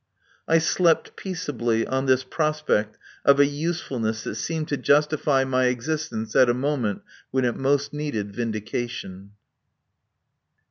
I slept peaceably on this prospect of a usefulness that seemed to justify my existence at a moment when it most needed vindication.